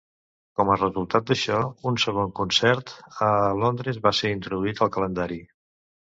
Com a resultat d'això, un segon concert a Londres va ser introduït al calendari.